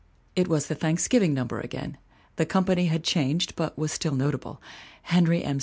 It was the Thanksgiv ing number again. The company had changed but was still notable; Henry M.